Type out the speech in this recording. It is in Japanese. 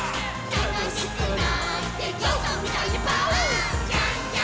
「たのしくなってぞうさんみたいにパオーン」